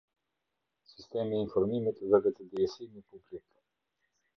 Sistemi i informimit dhe vetëdijesimi publik.